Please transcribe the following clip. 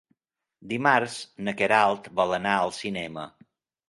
Dimarts na Queralt vol anar al cinema.